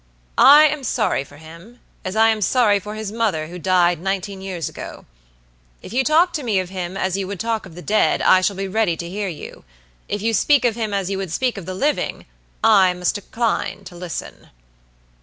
I am sorry for him, as I am sorry for his mother who died nineteen years ago. If you talk to me of him as you would talk of the dead, I shall be ready to hear you. If you speak of him as you would speak of the living, I must decline to listen."